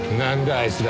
あいつら。